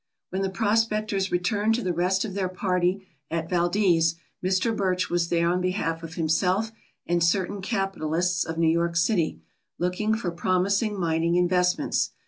When the prospectors returned to the rest of their party at Valdez, Mr. Birch was there on behalf of himself and certain capitalists of New York City, looking for promis ing mining investments.